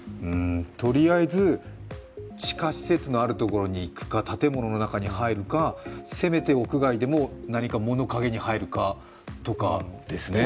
とりあえず地下施設のあるところに行くか、建物の中に入るか、せめて屋外でも、何か物陰に入るかとかですね。